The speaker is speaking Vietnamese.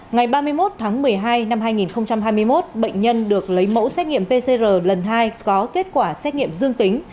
ngày ba mươi một tháng một mươi hai năm hai nghìn hai mươi một bệnh nhân được lấy mẫu xét nghiệm pcr lần hai có kết quả xét nghiệm dương tính